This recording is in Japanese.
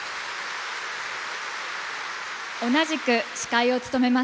同じく司会を務めます